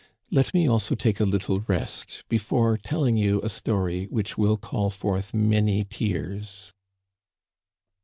Let me also take a little rest before telling you a story which will call forth many tears."